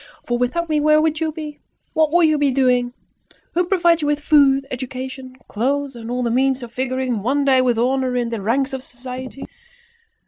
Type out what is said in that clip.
For without me where would you be? What would you be doing? Who provides you with food, education, clothes, and all the means of figuring one day with honour in the ranks of society?